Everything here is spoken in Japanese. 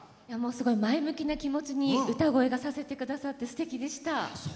前向きな気持ちに歌声がさせてくださってすてきでした。